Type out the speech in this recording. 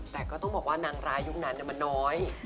แต่ก็ต้องบอกว่านางร้ายุคนั้นมันน้อย